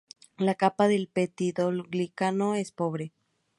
La capa del peptidoglicano es pobre.